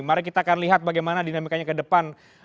mari kita akan lihat bagaimana dinamikanya ke depan